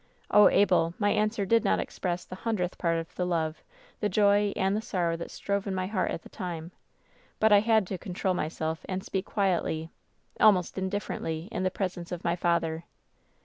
"Oh, Abel ! my answer did not express the hundredth part of the love, the joy and the sorrow that strove in my heart at the time ; but I had to control myself and speak quietly, almost indifferently, in the presence of my father.